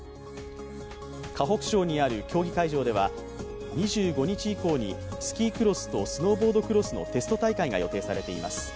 河北省にある競技会場では、２５日以降にスキークロスとスノーボードクロスのテスト大会が予定されています。